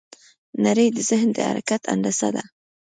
نړۍ د ذهن د حرکت هندسه ده.